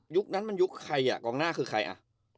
นั้นมันยุคใครอ่ะกองหน้าคือใครอ่ะ